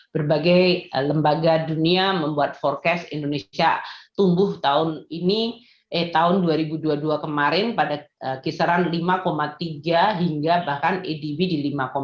berbagai lembaga dunia membuat forecast indonesia tumbuh tahun dua ribu dua puluh dua kemarin pada kisaran lima tiga hingga bahkan edb di lima dua